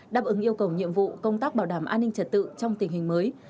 đáp ứng yêu cầu nhiệm vụ công tác bảo đảm an ninh trật tự trong tình hình mới